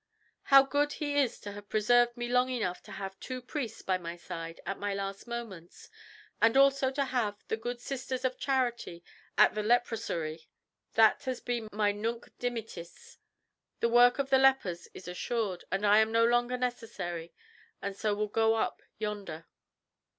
"How good He is to have preserved me long enough to have two priests by my side at my last moments, and also to have the good Sisters of Charity at the Leproserie. That has been my Nunc Dimittis. The work of the lepers is assured, and I am no longer necessary, and so will go up yonder."